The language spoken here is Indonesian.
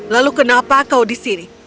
lalu kenapa kau di sini